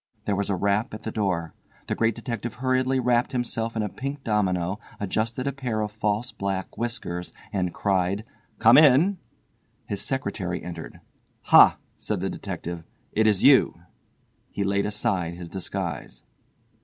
There was a rap at the door. The Great Detective hurriedly wrapped himself in a pink domino, adjusted a pair of false black whiskers and cried, "Come in." Illustration: "Come in." His secretary entered. "Ha," said the detective, "it is you!" He laid aside his disguise.